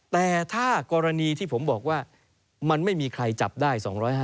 แต่ถ้ากรณีที่ผมบอกว่ามันไม่มีใครจับได้๒๕๐